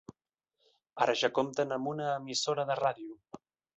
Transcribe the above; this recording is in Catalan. Ara ja compten amb una emissora de ràdio.